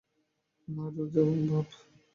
মারো, বব।